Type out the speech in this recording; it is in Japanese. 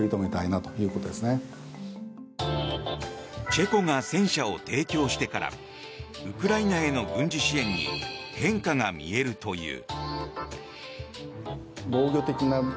チェコが戦車を提供してからウクライナへの軍事支援に変化が見えるという。